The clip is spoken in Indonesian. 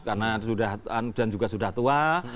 karena sudah dan juga sudah tua